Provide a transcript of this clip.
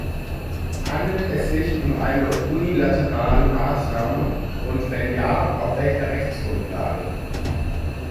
Handelt es sich um eine unilaterale Maßnahme, und wenn ja, auf welcher Rechtsgrundlage?